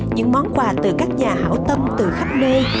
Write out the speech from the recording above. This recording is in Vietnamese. những món quà từ các nhà hảo tâm từ khắp nơi